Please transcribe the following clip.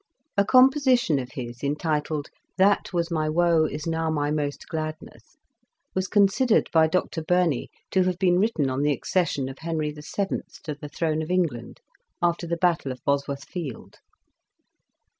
A composition of his entitled '' That was my woe is now my most gladness," was considered by Dr Burney to have been written on the accession of Henry VII. to the throne of England, after the battle of Bosworth Field.